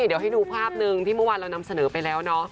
เดี๋ยวให้ดูภาพหนึ่งที่เมื่อวานเรานำเสนอไปแล้วเนาะ